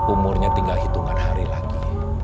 umurnya tinggal hitungan hari lagi